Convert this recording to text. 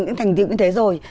những thành tiệm như thế rồi